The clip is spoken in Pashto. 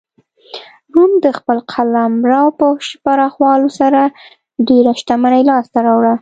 روم د خپل قلمرو په پراخولو سره ډېره شتمنۍ لاسته راوړه.